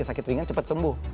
sakit ringan cepat sembuh